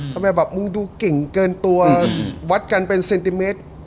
ทำไมแบบมึงดูเก่งเกินตัววัดกันเป็นเซนติเมตร